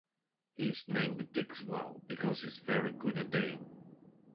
He is named Digswell because he is very good at digging.